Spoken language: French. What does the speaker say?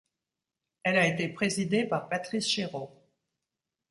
Elle a été présidée par Patrice Chéreau.